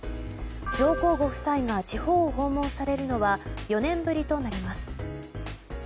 上皇ご夫妻が地方を訪問されるのは４年ぶりとなります。